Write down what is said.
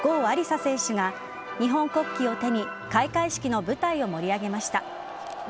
亜里砂選手が日本国旗を手に開会式の舞台を盛り上げました。